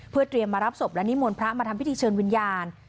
เพื่อเตรียมมารับศพและนิมนต์พระมาทำพิธีเชิญวิญญาณ